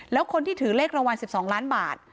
แล้วคนที่ถือเลขรางวัล๑๒ล้านบาท